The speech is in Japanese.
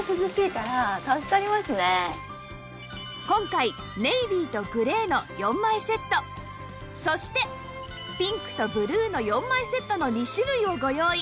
今回ネイビーとグレーの４枚セットそしてピンクとブルーの４枚セットの２種類をご用意